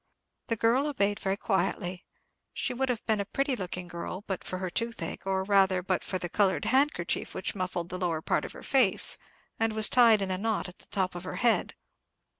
The girl obeyed very quietly. She would have been a pretty looking girl but for her toothache, or rather, but for the coloured handkerchief which muffled the lower part of her face, and was tied in a knot at the top of her head.